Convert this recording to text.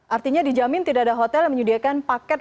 artinya dijamin tidak ada hotel yang menyediakan paket